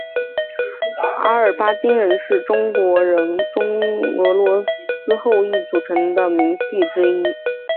阿尔巴津人是中国人中俄罗斯后裔组成的民系之一。